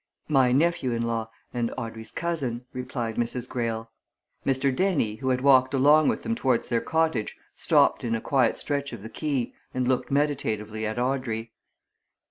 "My nephew in law, and Audrey's cousin," replied Mrs. Greyle. Mr. Dennie, who had walked along with them towards their cottage, stopped in a quiet stretch of the quay, and looked meditatively at Audrey.